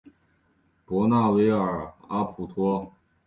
博纳维尔阿普托。